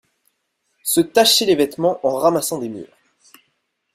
Se tâcher les vêtements en ramassant des mûres.